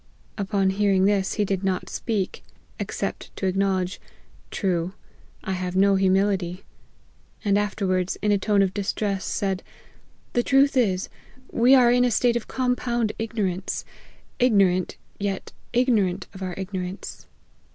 Upon hearing this he did not speak, except to acknow ledge, k< True, I have no humility;" and afterwards, in a tone of distress, said, " The truth is, we are in a state of compound ignorance ; ignorant, yet igno rant of our ignorance."